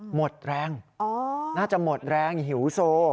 หมดแรงน่าจะหมดแรงหิวโซ